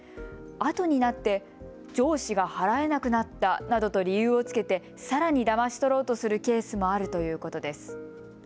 あとになって上司が払えなくなったなどと理由をつけてさらにだまし取ろうとするケースもあるということです。